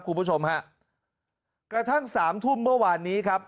คุณผู้ชมฮะกระทั่งสามทุ่มเมื่อวานนี้ครับ